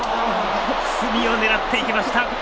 隅を狙っていきました。